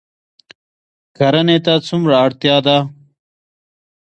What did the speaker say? کرنې ته څومره اړتیا ده؟